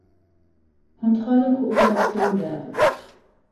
Kontrolle, Kooperation vs.